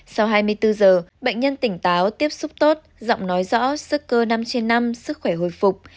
sau hai mươi bốn giờ bệnh nhân tỉnh táo tiếp xúc tốt giọng nói rõ sức cơ năm trên năm sức khỏe hồi phục